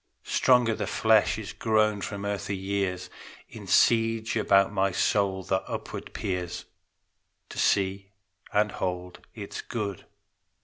Stronger the flesh is grown from earthy years, In siege about my soul that upward peers To see and hold its Good.